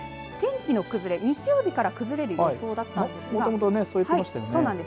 天気の崩れ、日曜日から崩れる予想だったんですがそうなんです。